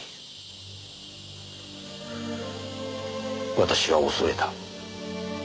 私は恐れた。